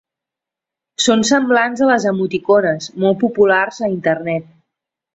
Són semblants a les emoticones, molt populars a internet.